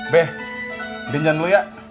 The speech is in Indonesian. beh benjan lu ya